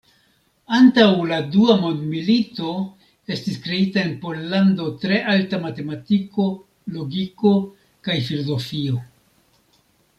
Antaŭ la dua mondmilito estis kreita en Pollando tre alta matematiko, logiko kaj filozofio.